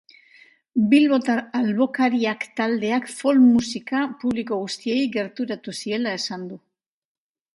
Bilbotar albokariak taldeak folk musika publiko guztiei gerturatu ziela esan du.